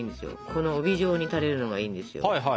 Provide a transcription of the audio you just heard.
この帯状に垂れるのがいいんですよ。